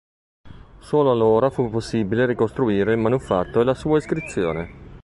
Solo allora fu possibile ricostruire il manufatto e la sua iscrizione.